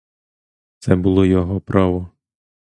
Це було його право.